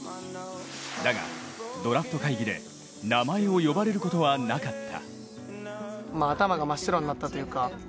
だがドラフト会議で名前を呼ばれることはなかった。